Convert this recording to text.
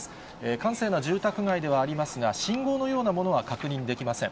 閑静な住宅街ではありますが、信号のようなものは確認できません。